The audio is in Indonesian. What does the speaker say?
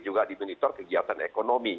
juga dimonitor kegiatan ekonomi